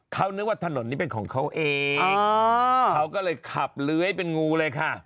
เขานึกว่าถนนนี้เป็นของเขาเองเขาก็เลยขับเลื้อยเป็นงูเลยค่ะ